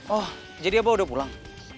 oh jadi apa udah pulang